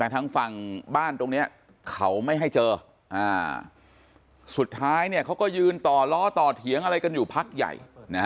แต่ทางฝั่งบ้านตรงนี้เขาไม่ให้เจอสุดท้ายเขาก็ยืนต่อล้อต่อเถียงอะไรกันอยู่พักใหญ่